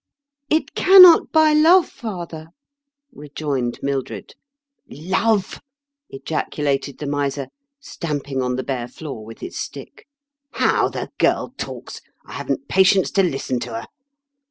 " It cannot buy love, fiather," rejoined Mildred. "Lovel" ejaculated the miser, stamping on the bare floor with his stick. " How the girl talks 1 I haven't patience to listen to her.